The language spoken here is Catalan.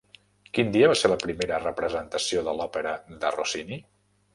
Quin dia va ser la primera representació de l'òpera de Rossini?